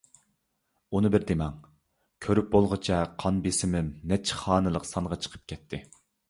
ئۇنى بىر دېمەڭ. كۆرۈپ بولغۇچە قان بېسىمىم نەچچە خانىلىق سانغا چىقىپ كەتتى.